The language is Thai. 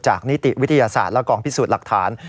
นิติวิทยาศาสตร์และกองพิสูจน์หลักฐาน